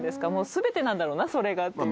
全てなんだろうなそれがって。